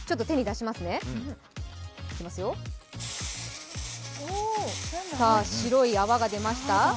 手に出します、白い泡が出ました。